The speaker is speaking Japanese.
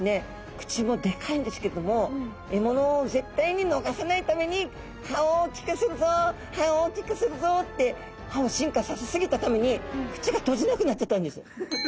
口もでかいんですけれども獲物を絶対に逃さないために歯を大きくするぞ歯を大きくするぞって歯を進化させ過ぎたために口が閉じなくなっちゃったんです。